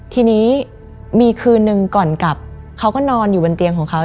ทีนี้มีคืนนึงก่อนกลับเขาก็นอนอยู่บนเตียงของเขา